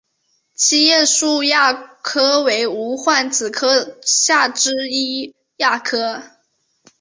七叶树亚科为无患子科下之一亚科。